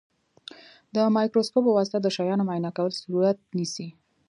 د مایکروسکوپ په واسطه د شیانو معاینه کول صورت نیسي.